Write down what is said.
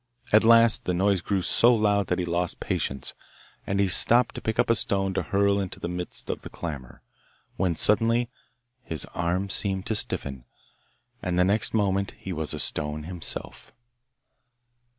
At last the noise grew so loud that he lost patience, and he stooped to pick up a stone to hurl into the midst of the clamour, when suddenly his arm seemed to stiffen, and the next moment he was a stone himself!